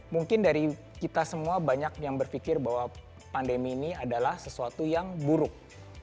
mungkin dari kita semua banyak yang berpikir bahwa pandemi ini adalah sesuatu yang buruk